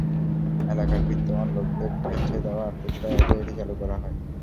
এলাকার বিত্তবান লোকদের স্বেচ্ছায় দেওয়া আর্থিক সহায়তায় এটি চালু করা হয়।